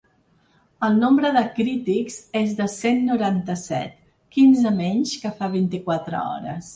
El nombre de crítics és de cent noranta-set, quinze menys que fa vint-i-quatre hores.